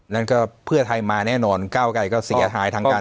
นั้นก็เพื่อไทยมาแน่นอนก้าวไกลก็เสียหายทางการ